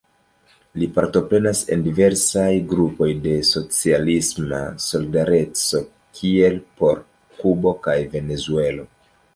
Li partoprenas en diversaj grupoj de "socialisma solidareco", kiel por Kubo kaj Venezuelo.